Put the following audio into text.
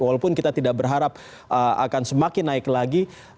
walaupun kita tidak berharap akan semakin naik lagi